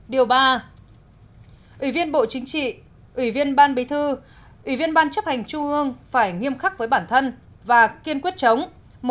điều ba ủy viên bộ chính trị ủy viên ban bí thư ủy viên ban chấp hành trung ương phải nghiêm khắc với bản thân và kiên quyết chống